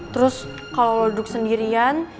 terus kalo lo duduk sendirian